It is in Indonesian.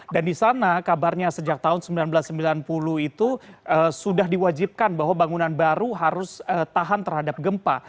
dan di sana kabarnya sejak tahun seribu sembilan ratus sembilan puluh itu sudah diwajibkan bahwa bangunan baru harus tahan terhadap gempa